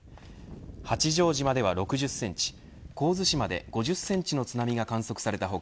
八丈島では６０センチ神津島で５０センチの津波が観測された他